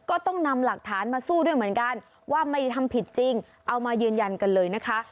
ก็ต้องนำหลักฐานมาสู้ด้วยเหมือนกันว่าไม่ได้ทำผิดจริงเอามายืนยันกันเลยนะคะ